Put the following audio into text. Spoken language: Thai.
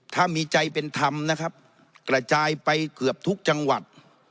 ถ้ามีใจเป็นธรรมนะครับกระจายไปเกือบทุกจังหวัด